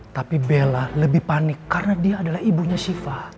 tapi bella lebih panik karena dia adalah ibunya syifah